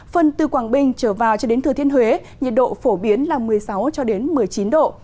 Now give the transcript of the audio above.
phần từ quảng bình trở vào cho đến thừa thiên huế nhiệt độ phổ biến là một mươi sáu một mươi chín độ